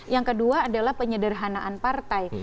yang kedua adalah penyederhanaan partai